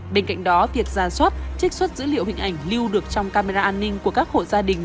tại đó việc giả soát trích xuất dữ liệu hình ảnh lưu được trong camera an ninh của các hộ gia đình